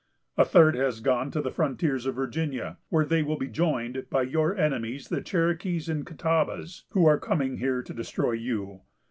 A third has gone to the frontiers of Virginia, where they will be joined by your enemies, the Cherokees and Catawbas, who are coming here to destroy you.